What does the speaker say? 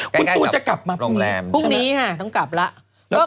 คุณตูนพรุ่งนี้ต้องกลับแล้วก็